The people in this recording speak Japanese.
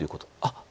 あっ。